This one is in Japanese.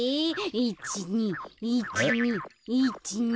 １２１２１２。